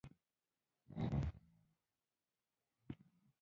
چې د افغانستان وحدت ته خطر وي.